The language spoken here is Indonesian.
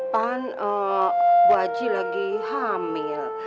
pan bu aci lagi hamil